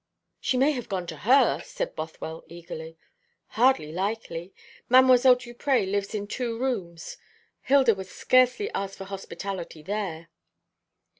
"She may have gone to her," said Bothwell eagerly. "Hardly likely. Mdlle. Duprez lives in two rooms. Hilda would scarcely ask for hospitality there."